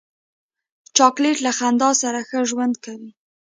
چاکلېټ له خندا سره ښه خوند کوي.